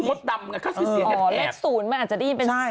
อ๋อเลข๐มันอาจจะได้เป็น๒